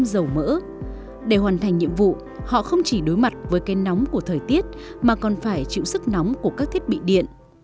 khi hoàn thành nhiệm vụ họ không chỉ đối mặt với kênh nóng của thời tiết mà còn phải chịu sức nóng của các thiết bị điện